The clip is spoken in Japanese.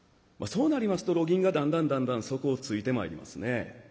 そうなりますと路銀がだんだんだんだん底をついてまいりますね。